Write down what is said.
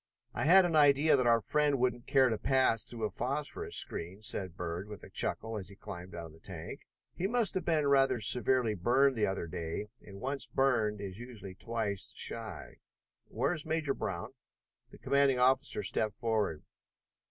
"I had an idea that our friend wouldn't care to pass through a phosphorus screen," said Dr. Bird with a chuckle as he climbed out of the tank. "He must have been rather severely burned the other day, and once burned is usually twice shy. Where is Major Brown?" The commanding officer stepped forward.